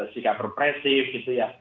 sikap represif gitu ya